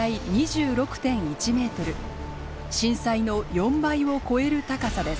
震災の４倍を超える高さです。